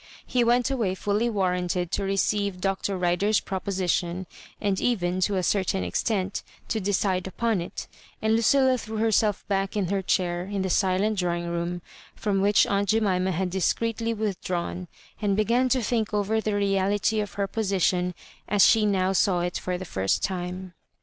He went away folly warranted to receive Dr. Rider'e pjrc^^tion, and even, to a certain extent, to de cide upon it — ^and LucUla threw herself back in her chair in the silent drawing room, from which aunt Jemima had discreetly withdrawn, and be gan to think over the reality of her position ejk ^e now saw it for the first time.